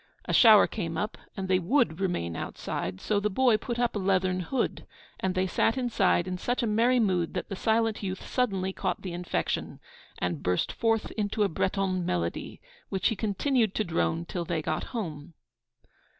A shower came up, and they would remain outside; so the boy put up a leathern hood, and they sat inside in such a merry mood that the silent youth suddenly caught the infection, and burst forth into a Breton melody, which he continued to drone till they got home.